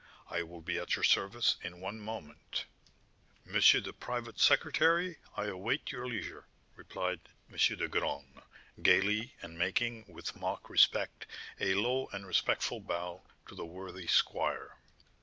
I will be at your service in one moment." "M. the Private Secretary, I await your leisure," replied M. de Graün, gaily, and making, with mock respect, a low and respectful bow to the worthy squire.